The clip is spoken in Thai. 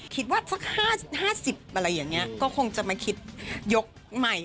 คิดว่าสัก๕๐อะไรอย่างนี้ก็คงจะมาคิดยกใหม่